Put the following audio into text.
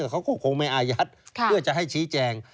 เขาก็คงไม่อายัดเพื่อจะให้ชี้แจง